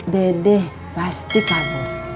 dede pasti kabur